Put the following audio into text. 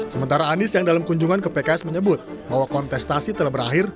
sementara anies yang dalam kunjungan ke pks menyebut bahwa kontestasi telah berakhir